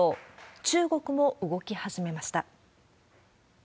中国も動き始めました。